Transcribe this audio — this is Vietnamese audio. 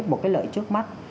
một cái lợi trước mắt